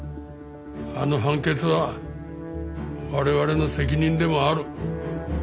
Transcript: あの判決は我々の責任でもある。